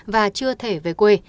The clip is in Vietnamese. và chưa thể về quê